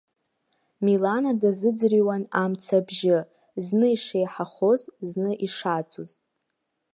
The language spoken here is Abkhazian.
Милана дазыӡырҩуан амца абжьы, зны ишеиҳахоз, зны ишаӡоз.